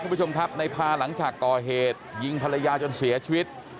คุณผู้ชมครับในพาหลังจากก่อเหตุยิงภรรยาจนเสียชีวิต